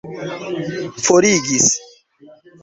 forigis